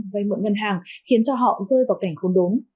vai mượn ngân hàng khiến cho họ rơi vào cảnh khốn đốn